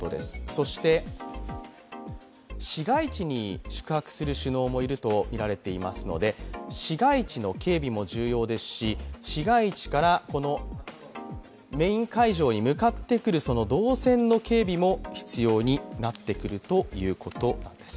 そして、市街地に宿泊する首脳もいるとみられていますので、市街地の警備も重要ですし、市街地からメイン会場に向かってくる動線の警備も必要になってくるということなんです。